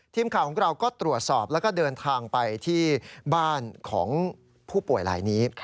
ทีมข่าวของเราก็ตรวจสอบแล้วก็เดินทางไปที่บ้านของผู้ป่วยลายนี้